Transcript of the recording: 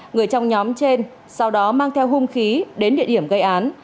người trong nhóm trên sau đó mang theo hung khí đến địa điểm gây án